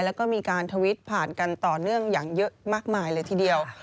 แล้วก็มีการทวิตผ่านกันต่อเนื่องอย่างเยอะมากมายเลยทีเดียว